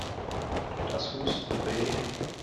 Tut das Husten weh?